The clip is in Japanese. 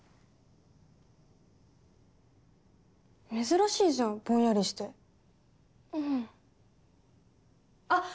珍しいじゃんぼんやりしてうんあっ